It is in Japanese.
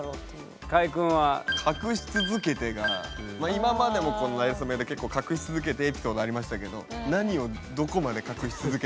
今までもこの「なれそめ」で結構「隠し続けて」エピソードありましたけど何をどこまで隠し続けたのか。